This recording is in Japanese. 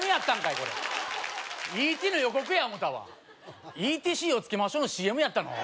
これ「Ｅ．Ｔ．」の予告や思たわ「Ｅ．Ｔ．Ｃをつけましょう」のＣＭやったの？